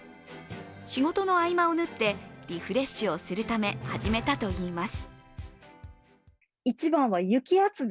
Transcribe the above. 仕事の合間を縫って、リフレッシュをするため始めたといいます。